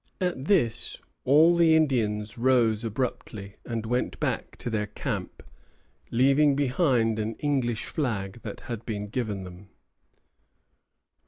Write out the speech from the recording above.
At this all the Indians rose abruptly and went back to their camp, leaving behind an English flag that had been given them.